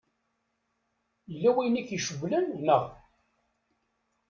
Yella wayen i k-icewwlen, neɣ?